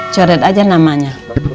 coret aja namanya